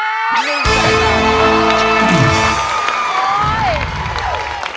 ๑ครับ